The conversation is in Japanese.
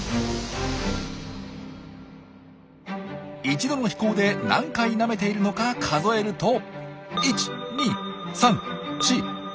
一度の飛行で何回なめているのか数えると。